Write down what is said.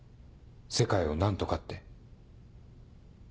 世界を何とかって。